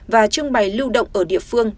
và trưng bày lưu động ở địa phương